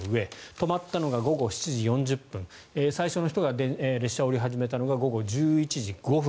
止まったのが午後７時４０分最初の人が電車を降り始めたのが午後１１時５分。